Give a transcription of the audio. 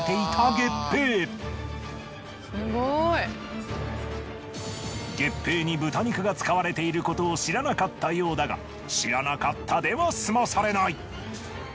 月餅に豚肉が使われていることを知らなかったようだが知らなかったでは済まされない。